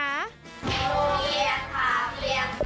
โรงเรียนขาเบียบ